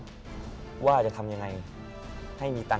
ได้ครับ